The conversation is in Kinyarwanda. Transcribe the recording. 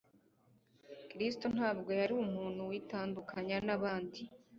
Kristo ntabwo yari umuntu witandukanya n'abandi,